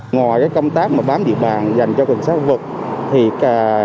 ngoài công tác bám địa bàn dành cho công an thành phố đà nẵng